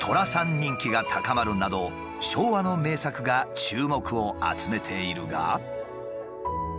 人気が高まるなど昭和の名作が注目を集めているが。